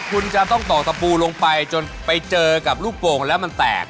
คุณจะต้องตอกตะปูลงไปจนไปเจอกับลูกโป่งแล้วมันแตก